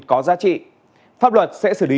có giá trị pháp luật sẽ xử lý